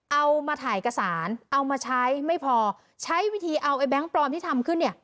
เอามาถ่ายกระสานเอามาใช้ไม่พอใช้วิธีเอาไอแบงค์ปลอมที่ทำขึ้นเนี่ย